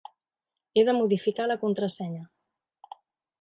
He de modificar la contrasenya.